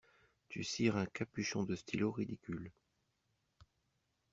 Tu cires un capuchon de stylo ridicule.